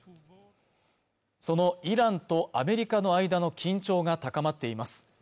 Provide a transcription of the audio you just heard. そのイランとアメリカの間の緊張が高まっています